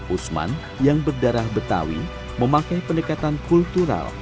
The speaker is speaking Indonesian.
usman yang berdarah betawi memakai pendekatan kultural